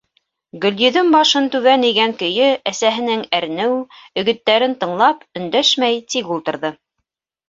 Гөлйөҙөм башын түбән эйгән көйө әсәһенең әрнеү, өгөттәрен тыңлап, өндәшмәй тик ултырҙы.